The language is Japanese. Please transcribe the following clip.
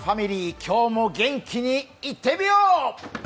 今日も元気にいってみよう！